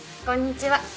こんにちは。